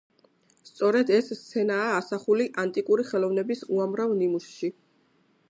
სწორედ ეს სცენაა ასახული ანტიკური ხელოვნების უამრავ ნიმუშში.